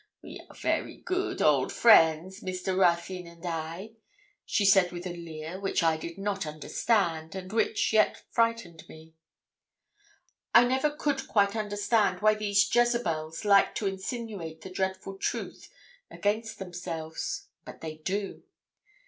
We are very good old friends, Mr. Ruthyn and I,' she said with a leer which I did not understand, and which yet frightened me. I never could quite understand why these Jezebels like to insinuate the dreadful truth against themselves; but they do.